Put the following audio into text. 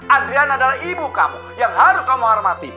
adrian adalah ibu kamu yang harus kamu hormati